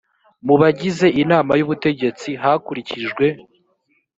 mu bagize inama y ubutegetsi hakurikijwe